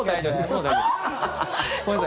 もう大丈夫です。